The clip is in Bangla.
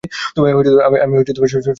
তবে আমি সর্বশ্রেষ্ঠ ধর্ম গ্রহণ করেছি।